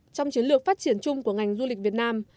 trong chiến lược phát triển chung của ngành du lịch việt nam